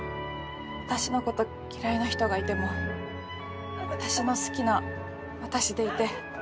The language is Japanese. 私のこと嫌いな人がいても私の好きな私でいて。